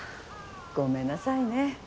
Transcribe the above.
ごめんなさいね。